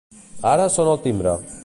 Ara sona el timbre!